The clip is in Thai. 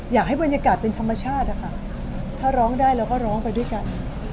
อยากให้บรรยากาศเป็นธรรมชาติอะค่ะถ้าร้องได้เราก็ร้องไปด้วยกัน